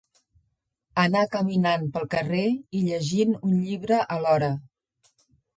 Anar caminant pel carrer i llegint un llibre alhora